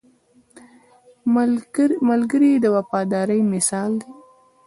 ملګری د وفادارۍ مثال دی